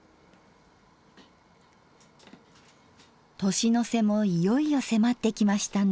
年の瀬もいよいよ迫ってきましたね。